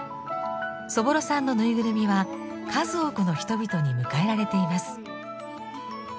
そぼろさんのぬいぐるみは数多くの人々に迎えられています。